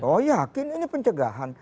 oh yakin ini pencegahan